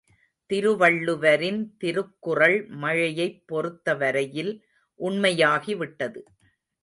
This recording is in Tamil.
திருவள்ளுவரின் திருக்குறள் மழையைப் பொறுத்தவரையில் உண்மையாகிவிட்டது.